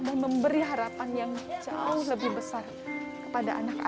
dan memberi harapan yang jauh lebih besar kepada anak anak mereka